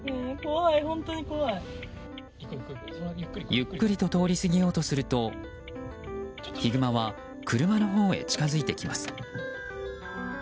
ゆっくりと通り過ぎようとするとヒグマは車のほうへ近づいてきます。